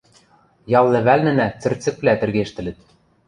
Ял лӹвӓлнӹнӓ цӹрцӹквлӓ тӹргештӹлӹт.